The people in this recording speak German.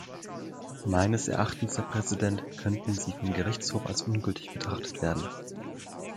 Meines Erachtens, Herr Präsident, könnten sie vom Gerichtshof als ungültig betrachtet werden.